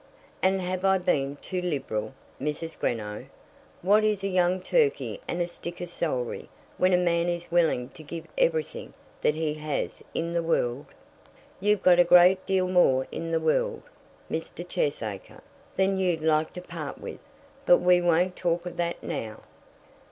"And have I been too liberal, Mrs. Greenow? What is a young turkey and a stick of celery when a man is willing to give everything that he has in the world?" "You've got a great deal more in the world, Mr. Cheesacre, than you'd like to part with. But we won't talk of that, now."